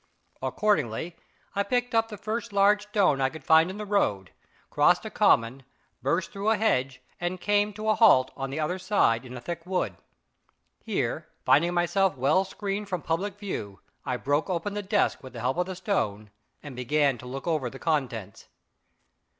Accordingly I picked up the first large stone I could find in the road, crossed a common, burst through a hedge, and came to a halt, on the other side, in a thick wood. Here, finding myself well screened from public view, I broke open the desk with the help of the stone, and began to look over the contents.